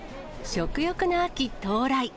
食欲の秋到来。